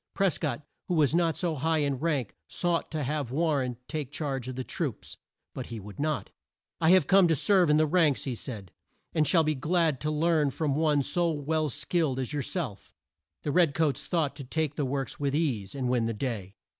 Pres cott, who was not so high in rank, sought to have War ren take charge of the troops. But he would not. "I have come to serve in the ranks," he said, "and shall be glad to learn from one so well skilled as your self." The red coats thought to take the works with ease, and win the day.